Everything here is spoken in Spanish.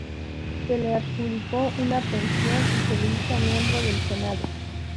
Se le adjudicó una pensión y se le hizo miembro del Senado.